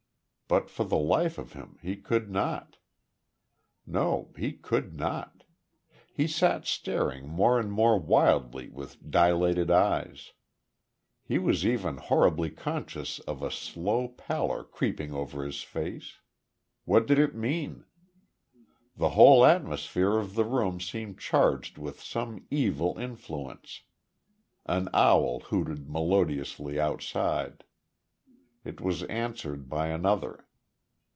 But, for the life of him he could not. No. He could not. He sat staring more and more wildly with dilated eyes. He was even horribly conscious of a slow pallor creeping over his face. What did it mean? The whole atmosphere of the room seemed charged with some evil influence. An owl hooted melodiously outside. It was answered by another.